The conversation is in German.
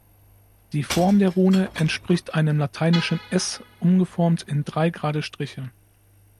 Die Form der Rune entspricht einem lateinischen S, umgeformt in drei gerade Striche.